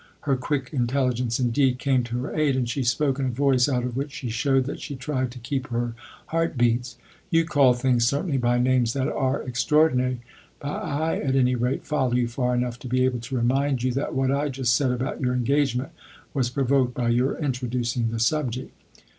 Her quick intelligence indeed, came to her aid, and she spoke in a voice out of which she showed that she tried to keep her heart beats. "You call things, certainly, by names that are extraordinary ; but I, at any rate, follow you far enough to be able to remind you that what I just said about your engage ment was provoked by your introducing the subject."